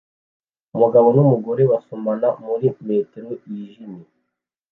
Umugabo numugore basomana muri metero yijimye